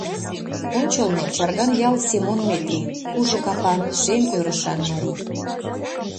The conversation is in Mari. Ончылно — Чарган ял Семон Метри, кужу капан, шем ӧрышан марий.